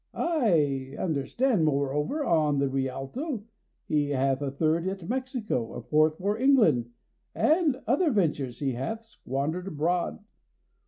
I understand, moreover, on the Rialto, he hath a third at Mexico, a fourth for England, and other ventures he hath, squandered abroad.